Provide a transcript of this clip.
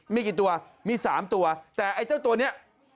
มีกี่ตัวมี๓ตัวแต่ไอ้เจ้าตัวนี้